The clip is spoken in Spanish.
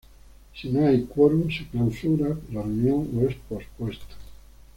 Si no hay quórum se clausura la reunión o es pospuesta.